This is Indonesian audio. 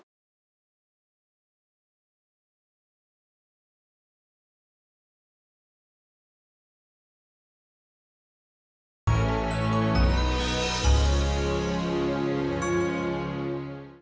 terima kasih atas dukungan anda